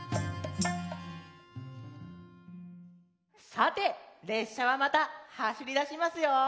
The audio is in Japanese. さてれっしゃはまたはしりだしますよ。